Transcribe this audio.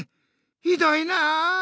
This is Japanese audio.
ひどいなあ！